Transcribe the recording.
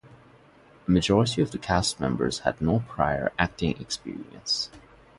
A majority of the cast members had no prior acting experience.